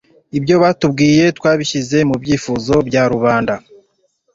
ibyo batubwiye twabishyize mu byifuzo bya rubanda